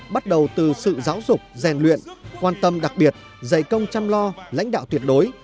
bắt đầu từ sự giáo dục rèn luyện quan tâm đặc biệt dạy công chăm lo lãnh đạo tuyệt đối